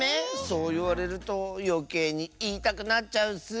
そういわれるとよけいにいいたくなっちゃうッス。